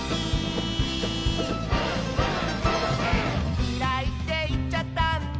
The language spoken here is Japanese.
「きらいっていっちゃったんだ」